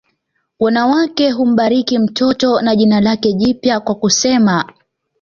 Wanawake humbariki mtoto na jina lake jipya kwa kusema